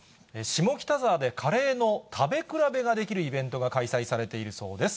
下北沢でカレーの食べ比べができるイベントが開催されているそうです。